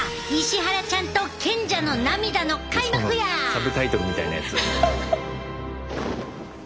サブタイトルみたいなやつ。